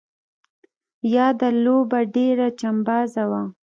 یاده لوبه ډېره چمبازه وه.